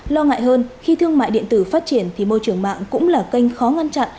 lo ngại hơn khi thương mại điện tử phát triển thì môi trường mạng cũng là kênh khó ngăn chặn